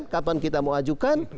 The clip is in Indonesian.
kapan kita mau ajukan